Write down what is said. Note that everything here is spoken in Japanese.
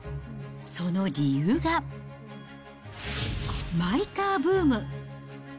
その理由が、マイカーブーム。